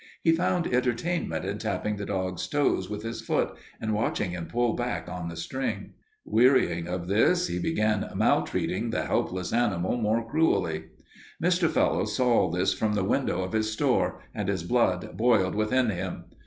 He found entertainment in tapping the dog's toes with his foot and watching him pull back on the string. Wearying of this, he began maltreating the helpless animal more cruelly. Mr. Fellowes saw all this from the window of his store, and his blood boiled within him.